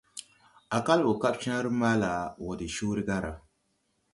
A kal wo kap caaré - maala wo de coore - gaara.